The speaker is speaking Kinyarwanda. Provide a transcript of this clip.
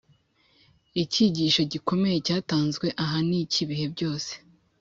icyigisho gikomeye cyatanzwe aha ni icy’ibihe byose.